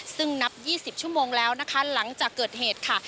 ซึ่งนับ๒๐ชั่วโมงแล้วนะคะหลังจากเกิดเหตุค่ะ